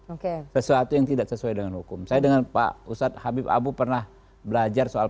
oke sesuatu yang tidak sesuai dengan hukum saya dengan pak ustadz habib abu pernah belajar soal